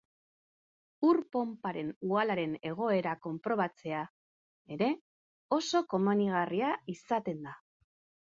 Ur-ponparen uhalaren egoera konprobatzea ere oso komenigarria izaten da.